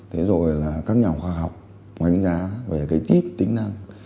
thế rồi là các nhà khoa học đánh giá về cái chip tính năng